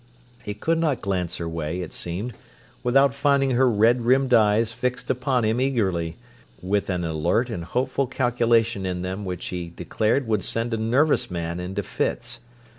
He could not glance her way, it seemed, without finding her red rimmed eyes fixed upon him eagerly, with an alert and hopeful calculation in them which he declared would send a nervous man into fits.